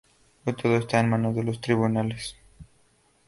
Hoy todo está en manos de los tribunales.